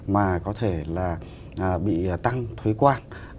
mà có thể là bị tăng thuế quan